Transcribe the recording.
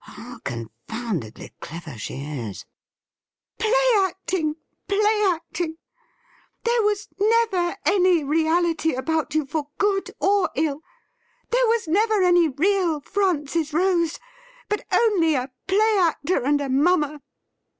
' How confoundedly clever she is I' ' Play acting, play acting ! There was never any reality about you for good or ill ; there was never any real Francis Rose — ^but only a play actor and a mummer